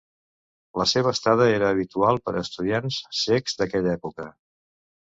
La seva estada era habitual per a estudiants cecs d'aquella època.